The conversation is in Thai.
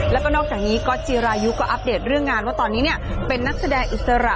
แล้วก็นอกจากนี้ก๊อตจิรายุก็อัปเดตเรื่องงานว่าตอนนี้เป็นนักแสดงอิสระ